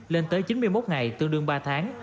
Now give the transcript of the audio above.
lên tới chín mươi một ngày tương đương ba tháng